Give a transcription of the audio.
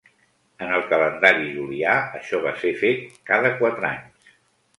En el calendari Julià això va ser fet cada quatre anys.